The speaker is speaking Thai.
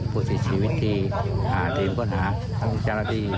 พฤติชีวิตที่ทีมค้นหาทั้งจารักษณะที่ครับ